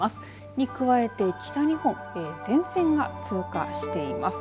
に加えて北日本前線が通過しています。